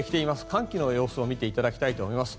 寒気の様子を見ていただきたいと思います。